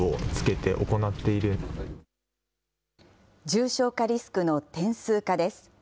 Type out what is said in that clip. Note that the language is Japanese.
重症化リスクの点数化です。